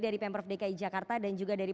dari pemprov dki jakarta dan juga dari